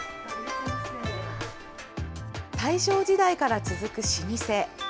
大正時代から続く老舗。